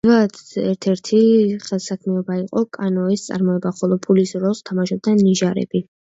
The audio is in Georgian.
ძველად ერთ-ერთი ძირითადი ხელსაქმეობა იყო კანოეს წარმოება, ხოლო ფულის როლს თამაშობდა ნიჟარები.